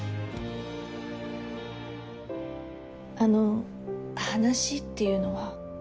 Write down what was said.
あの話っていうのは。